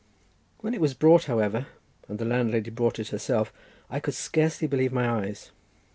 When it was brought, however, and the landlady brought it herself, I could scarcely believe my eyes.